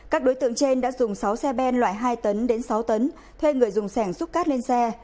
các đối tượng trên đã dùng sáu xe ben loại hai tấn đến sáu tấn thuê người dùng sẻng xúc cát lên xe